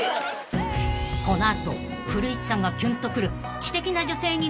［この後古市さんがキュンとくる］